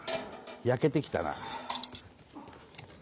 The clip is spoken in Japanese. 焼けてきたな。